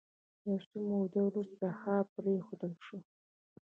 یو څه موده وروسته ښار پرېښودل شو.